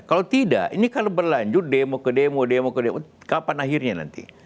kalau tidak ini kalau berlanjut demo ke demo demo ke demo kapan akhirnya nanti